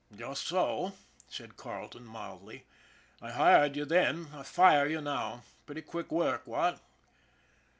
" Just so," said Carleton mildly. " I hired you then. I fire you now. Pretty quick work, what?